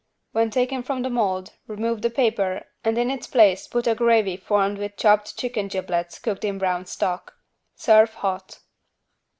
When taken from the mold, remove the paper and in its place put a gravy formed with chopped chicken giblets cooked in brown stock. Serve hot.